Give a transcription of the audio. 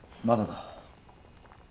まだだ。